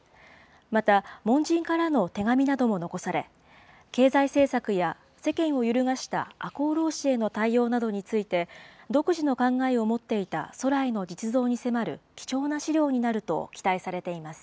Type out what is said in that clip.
また、門人からの手紙なども残され、経済政策や世間を揺るがした赤穂浪士への対応などについて、独自の考えを持っていた徂徠の実像に迫る貴重な資料になると期待されています。